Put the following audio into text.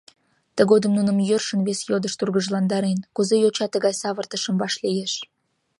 Тыгодым нуным йӧршын вес йодыш тургыжландарен, кузе йоча тыгай савыртышым вашлиеш?